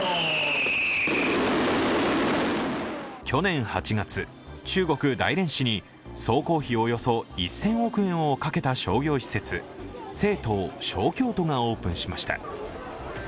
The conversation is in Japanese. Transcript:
去年８月、中国・大連市に総工費およそ１０００億円をかけた商業施設盛唐・小京都がオープンしました。